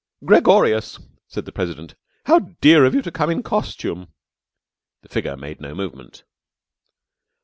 "Gregorius!" said the President. "How dear of you to come in costume!" The figure made no movement.